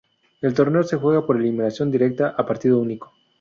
El torneo se juega por eliminación directa a partido único.